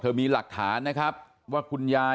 ถ้าจะฟ้องคนนู้นคนนี้